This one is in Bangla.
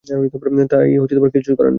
তার কিছুই করার নেই।